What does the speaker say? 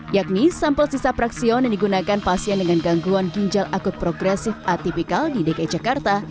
yakni sampel sisa praksion yang digunakan pasien dengan gangguan ginjal akut progresif atipikal di dki jakarta